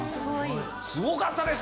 すごかった。